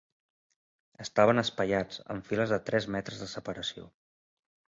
Estaven espaiats, en files de tres metres de separació.